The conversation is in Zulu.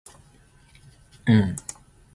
Ngubani lo ozobe egubha usuku lokuzalwa ekwindla?